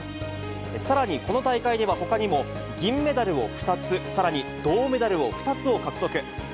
さらにこの大会ではほかにも、銀メダルを２つ、さらに銅メダル２つを獲得。